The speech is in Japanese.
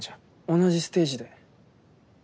同じステージで。